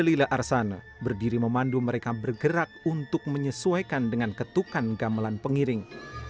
lila arsana berdiri memandu mereka bergerak untuk menyesuaikan dengan ketukan gamelan pengiring